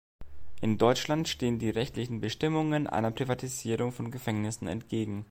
In Deutschland stehen die rechtlichen Bestimmungen einer Privatisierung von Gefängnissen entgegen.